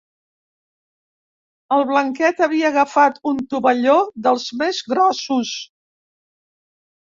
El Blanquet havia agafat un tovalló dels més grossos.